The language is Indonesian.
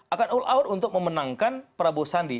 akan all out untuk memenangkan prabowo sandi